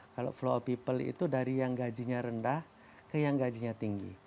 kalau flow of people itu dari yang gajinya rendah ke yang gajinya tinggi